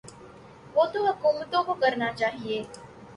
وہ تو حکومتوں کو کرنا چاہیے۔